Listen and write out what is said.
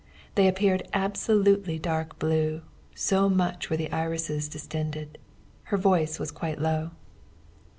They appeared absolutely dark blue, so much were the irises distended. Her voice was quite low.